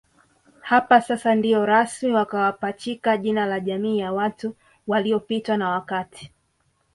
Hapa sasa ndio rasmi wakawapachachika jina la Jamii ya watu waliopitwa na wakati